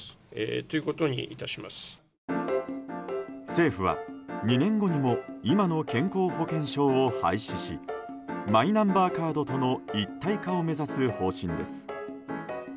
政府は２年後にも今の健康保険証を廃止しマイナンバーカードとの一体化を目指す方針です。